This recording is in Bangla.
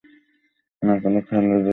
না, কোনো খেয়ালের বশে নয়।